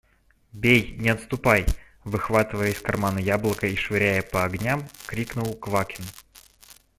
– Бей, не отступай! – выхватывая из кармана яблоко и швыряя по огням, крикнул Квакин.